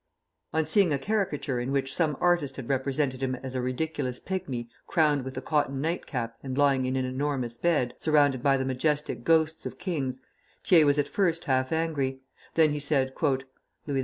On seeing a caricature in which some artist had represented him as a ridiculous pigmy crowned with a cotton night cap and lying in an enormous bed, surrounded by the majestic ghosts of kings, Thiers was at first half angry; then he said: "Louis XIV.